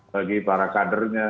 bagi para kadernya